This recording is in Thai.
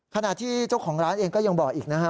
ขณะที่เจ้าของร้านเองก็ยังบอกอีกนะฮะ